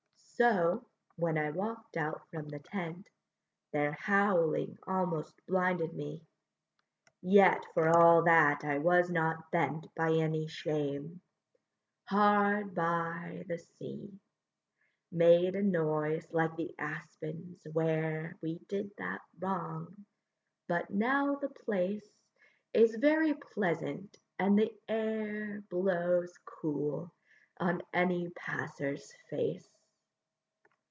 So, when I walk'd out from the tent, Their howling almost blinded me; Yet for all that I was not bent By any shame. Hard by, the sea Made a noise like the aspens where We did that wrong, but now the place Is very pleasant, and the air Blows cool on any passer's face.